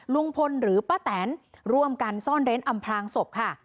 ลุงพลหรือป้าแตนร่วมกันซ่อนเร้นอำพลางศพค่ะ